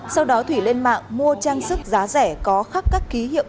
sau đó thủy lên mạng mua trang sức giá rẻ có khắc các ký hiệu